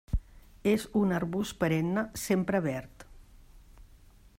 És un arbust perenne sempre verd.